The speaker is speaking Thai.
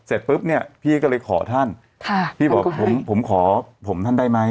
เสร็จปุ๊บเนี่ยพี่ก็เลยขอท่านค่ะพี่บอกผมผมขอผมท่านได้ไหม